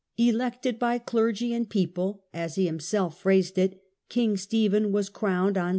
"Elected by clergy and people", as he himself phrased it, King Stephen was crowned on S.